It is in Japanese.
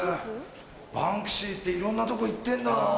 バンクシーっていろんなとこ行ってんだな。